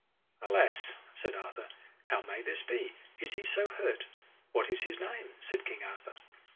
Alas, said Arthur, how may this be, is he so hurt? What is his name? said King Arthur.